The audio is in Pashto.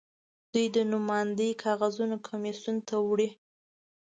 دوی د نوماندۍ کاغذونه کمېسیون ته وړي.